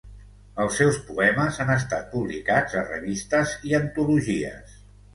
Els seus poemes han estat publicats a revistes i antologies.